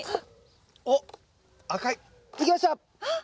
おっ赤い。いきました！